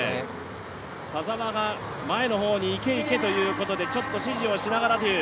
田澤が前の方に、行け行けということで指示をしながらという。